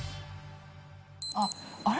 あっ、あれ？